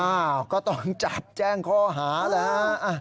อ้าวก็ต้องจับแจ้งข้อหาแล้ว